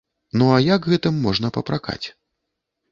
Ну а як гэтым можна папракаць?